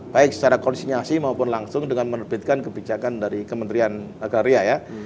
baik secara kondisiasi maupun langsung dengan menerbitkan kebijakan dari kementerian negara ria ya